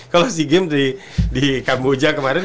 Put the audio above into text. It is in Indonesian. kalau sea games di kamboja kemarin